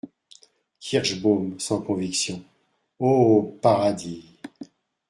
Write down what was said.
Kirschbaum, sans conviction. — Oh ! paradis !